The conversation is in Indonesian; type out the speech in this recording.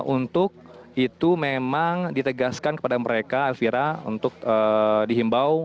untuk itu memang ditegaskan kepada mereka elvira untuk dihimbau